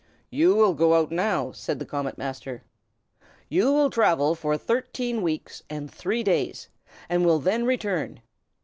"You will go out now," said the Comet Master. "You will travel for thirteen weeks and three days, and will then return.